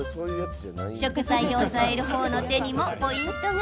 食材を押さえる方の手にもポイントが。